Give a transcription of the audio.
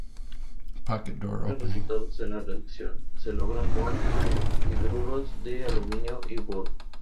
Los mejores resultados en la reducción se logran con hidruros de aluminio y boro.